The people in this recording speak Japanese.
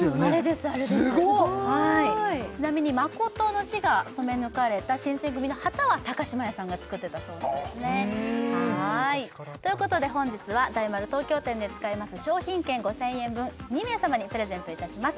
すごいちなみに「誠」の字が染め抜かれた新選組の旗は島屋さんが作ってたそうなんですねということで本日は大丸東京店で使えます商品券５０００円分２名様にプレゼントいたします